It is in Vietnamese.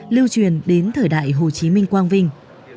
lưu truyền đến thời đại hồ chí minh quang vinh